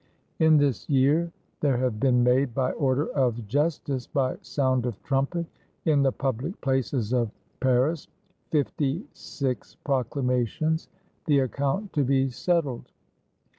"In this year there have been made by order of jus tice, by sound of trumpet, in the public places of Paris, fifty six proclamations — the account to be settled.